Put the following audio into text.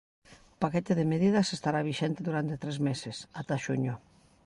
O paquete de medidas estará vixente durante tres meses, ata xuño.